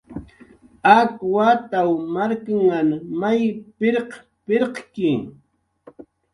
Ak wataw marknhan may pirq pirqki